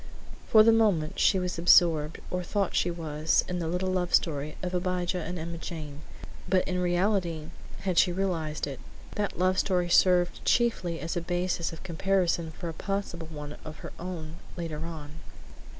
For the moment she was absorbed, or thought she was, in the little love story of Abijah and Emma Jane, but in reality, had she realized it, that love story served chiefly as a basis of comparison for a possible one of her own, later on.